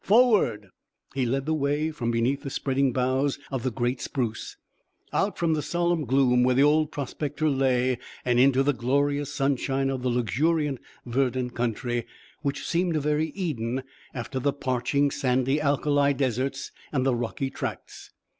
Forward!" He led the way from beneath the spreading boughs of the great spruce, out from the solemn gloom where the old prospector lay and into the glorious sunshine of the luxuriant, verdant country, which seemed a very Eden after the parching sandy alkali deserts and the rocky tracts.